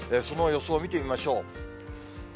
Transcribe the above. その予想を見てみましょう。